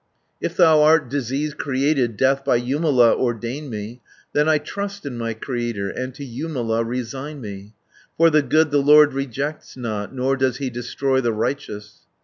"If thou art disease created, Death by Jumala ordained me, 180 Then I trust in my Creator, And to Jumala resign me; For the good the Lord rejects not, Nor does he destroy the righteous.